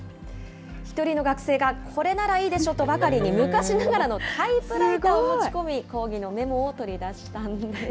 １人の学生がこれならいいでしょとばかりに昔ながらのタイプライターを持ち込み、講義のメモを取り出したんです。